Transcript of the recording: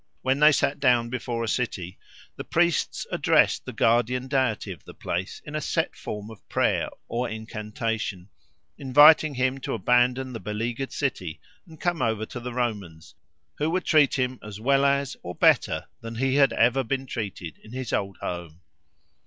When they sat down before a city, the priests addressed the guardian deity of the place in a set form of prayer or incantation, inviting him to abandon the beleaguered city and come over to the Romans, who would treat him as well as or better than he had ever been treated in his old home.